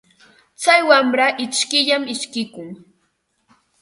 Tsay wamra ishkiyllam ishkikun.